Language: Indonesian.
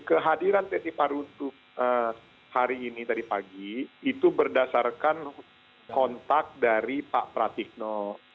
kehadiran teti parutu hari ini tadi pagi itu berdasarkan kontak dari pak pratikno